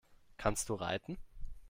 Kannst du reiten?